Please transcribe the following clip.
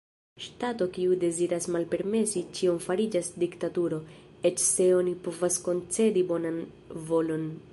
Ŝtato kiu deziras malpermesi ĉion fariĝas diktaturo, eĉ se oni povas koncedi bonan volon.